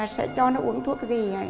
sợ cho nó uống thuốc gì